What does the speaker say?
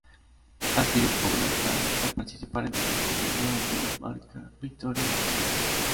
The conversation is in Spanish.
Adquirió popularidad al participar en el desfile anual de la marca Victoria's Secret.